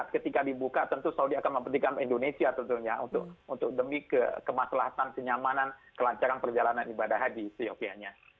ketika dibuka tentu saudi akan mempertimbangkan indonesia untuk kemaslahan kesenyamanan kelancaran perjalanan ibadah haji senyopiannya